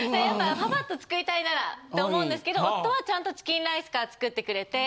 パパっと作りたいならって思うんですけど夫はちゃんとチキンライスから作ってくれて。